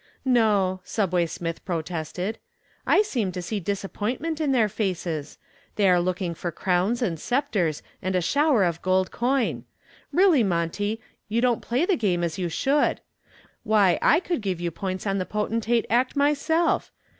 "No," "Subway" Smith protested, "I seem to see disappointment in their faces. They are looking for crowns and scepters and a shower of gold coin. Really, Monty, you don't play the game as you should. Why, I could give you points on the potentate act myself.